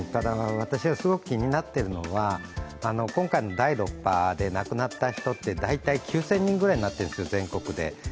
私は、すごく気になっているのは今回の第６波で亡くなった人って大体９０００人になってるんですよ、全国で。